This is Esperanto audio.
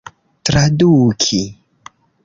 traduki